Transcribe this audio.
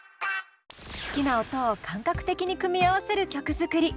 好きな音を感覚的に組み合わせる曲作り。